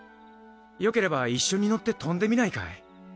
「よければ一緒に乗って飛んでみないかい？」